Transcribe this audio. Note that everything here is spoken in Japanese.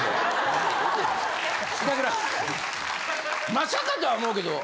まさかとは思うけど。